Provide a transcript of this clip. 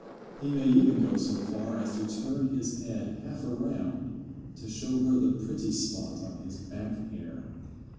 He may even go so far as to turn his head half around to show her the pretty spot on his "back hair."